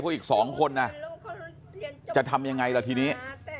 พวกอีกสองคนน่ะจะทำยังไงล่ะทีนี้